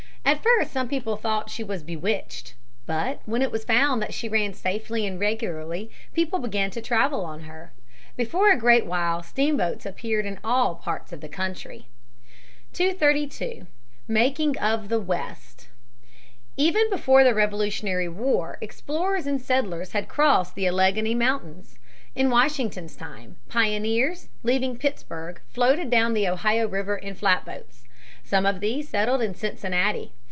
At first some people thought that she was bewitched. But when it was found that she ran safely and regularly, people began to travel on her. Before a great while steamboats appeared in all parts of the country. [Sidenote: Western pioneers.] [Sidenote: Settlements on the Ohio. Eggleston, 232 234; Higginson, 243.] 232. Making of the West. Even before the Revolutionary War explorers and settlers had crossed the Alleghany Mountains. In Washington's time pioneers, leaving Pittsburg, floated down the Ohio River in flatboats. Some of these settled Cincinnati.